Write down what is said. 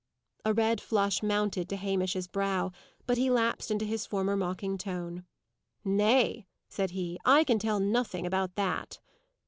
A red flush mounted to Hamish's brow, but he lapsed into his former mocking tone. "Nay," said he, "I can tell nothing about that."